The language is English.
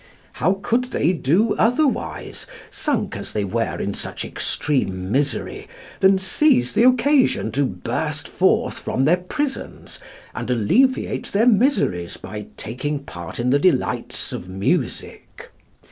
How could they do otherwise, sunk as they were in such extreme misery, than seize the occasion to burst forth from their prisons and alleviate their miseries by taking part in the delights of music?